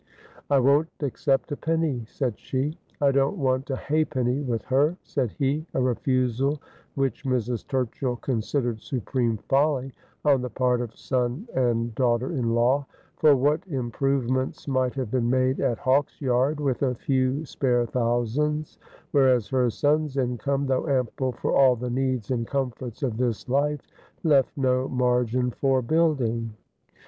' I won't accept a penny,' said she. ' I don't want a halfpenny with her,' said he ; a refusal which Mrs. Turchill considered supreme folly on the part of son and daughter in law ; for what improvements might have been made at Hawksyard with a few spare thousands, whereas her son's income, though ample for all the needs and comforts of this life, left no margin for building.